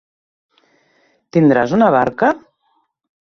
Tindràs una barca?